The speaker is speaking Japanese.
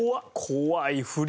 怖い振り。